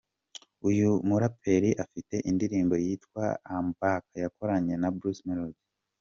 Uyu muraperi afite indirimbo yitwa “I am Back” yakoranye na Bruce Melodie.